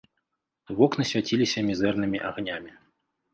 Вокны свяціліся мізэрнымі агнямі.